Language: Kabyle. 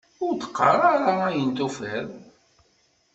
Ur d-qqar ara ayen tufiḍ!